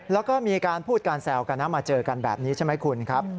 แล้วก็มีการพูดการแซวกันนะมาเจอกันแบบนี้ใช่ไหมคุณครับ